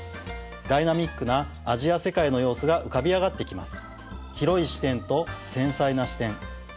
ダイナミックなアジア世界の様子が浮かび上がってきます。